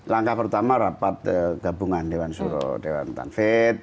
langkah pertama rapat gabungan dewan suro dewan tanvet